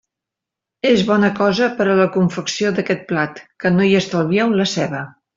És bona cosa, per a la confecció d'aquest plat, que no hi estalvieu la ceba.